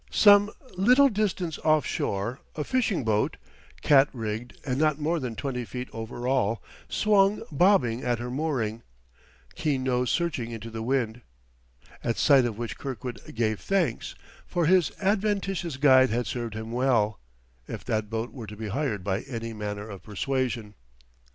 Some little distance offshore a fishing boat, catrigged and not more than twenty feet over all, swung bobbing at her mooring, keen nose searching into the wind; at sight of which Kirkwood gave thanks, for his adventitious guide had served him well, if that boat were to be hired by any manner of persuasion.